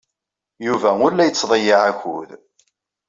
Yuba ur la yettḍeyyiɛ akud.